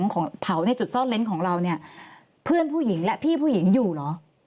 ของเผาในจุดซ่อนเล้นของเราเนี่ยเพื่อนผู้หญิงและพี่ผู้หญิงอยู่เหรอ